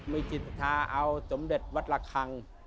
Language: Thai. มีชิสธาเอาสมเด็จวัทรคัง